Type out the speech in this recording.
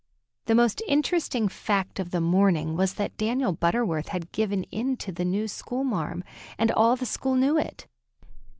The most interesting fact of the morning was that Daniel Butterworth had given in to the new "school marm," and all the school knew it.